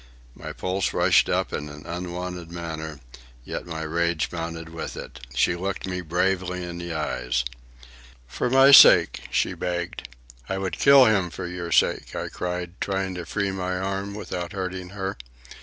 My pulse rushed up in an unwonted manner, yet my rage mounted with it. She looked me bravely in the eyes. "For my sake," she begged. "I would kill him for your sake!" I cried, trying to free my arm without hurting her.